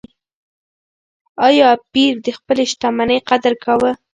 ایا پییر د خپلې شتمنۍ قدر کاوه؟